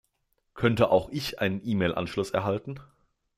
Könnte auch ich einen E-Mail-Anschluss erhalten?